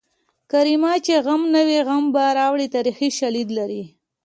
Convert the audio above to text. کرمیه چې غم نه وي غم به راوړې تاریخي شالید لري